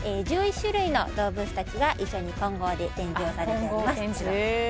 １１種類の動物達が一緒に混合で展示をされております